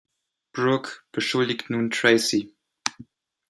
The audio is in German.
Brooke beschuldigt nun Tracy.